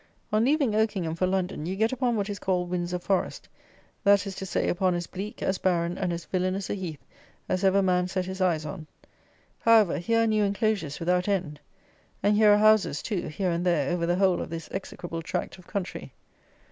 On leaving Oakingham for London, you get upon what is called Windsor Forest; that is to say, upon as bleak, as barren, and as villanous a heath as ever man set his eyes on. However, here are new enclosures without end. And here are houses too, here and there, over the whole of this execrable tract of country.